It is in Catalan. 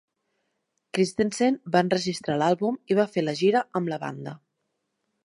Christensen va enregistrar l'àlbum i va fer la gira amb la banda.